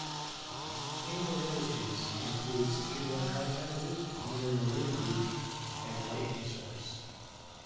Ingram Industries includes Ingram Content Group, Ingram Marine Group, and Lightning Source.